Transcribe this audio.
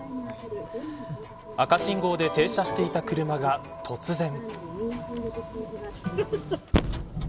赤信号で停車していた車が突然。